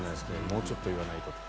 もうちょっと言わないとと。